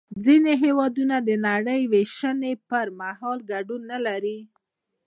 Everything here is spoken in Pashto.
ځینې هېوادونه د نړۍ وېشنې پر مهال ګډون نلري